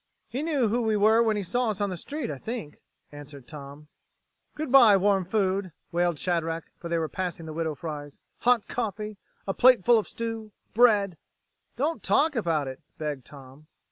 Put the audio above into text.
"He knew who we were when he saw us on the street, I think," answered Tom. "Good by, warm food," wailed Shadrack, for they were passing the Widow Fry's. "Hot coffee, a plate full of stew, bread...." "Don't talk about it," begged Tom.